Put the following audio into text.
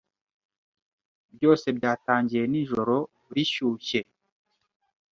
Byose byatangiye nijoro rishyushye.